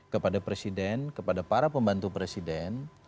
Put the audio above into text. kepada presiden kepada para pembantu presiden